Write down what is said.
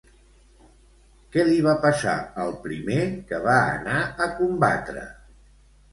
Què li va passar al primer que va anar a combatre?